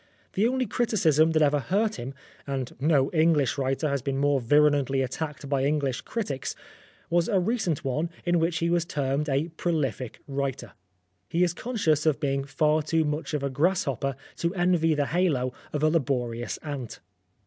The. only criti cism that ever hurt him and no English writer has been more virulently attacked by English critics was a recent one in which he was termed a prolific writer. He is con scious of being far too much of a grasshopper *f to envy the halo of a laborious ant.